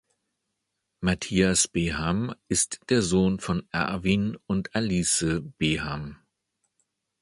Matthias Beham ist der Sohn von Erwin und Alice Beham.